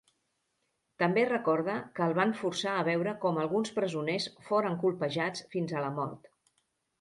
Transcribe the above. També recorda que el van forçar a veure com alguns presoners foren colpejats fins a la mort.